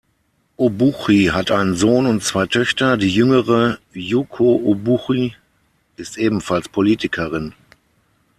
Obuchi hat einen Sohn und zwei Töchter, die jüngere, Yūko Obuchi, ist ebenfalls Politikerin.